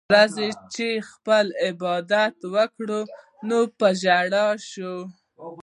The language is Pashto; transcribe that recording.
يوه ورځ چې ئې خپل عبادت وکړو نو پۀ ژړا شو